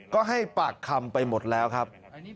ก็ให้ปากคำไปหมดแล้วครับ